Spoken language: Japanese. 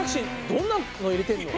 どんなの入れてるの？